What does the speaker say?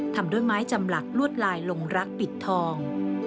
ทำด้วยไม้จำหลักลวดลายลงรักปิดทอง